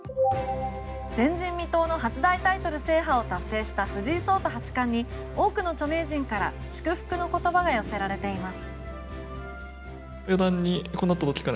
前人未到の八大タイトル制覇を達成した藤井聡太八冠に多くの著名人から祝福の言葉が寄せられています。